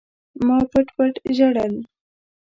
ما پټ پټ ژړل.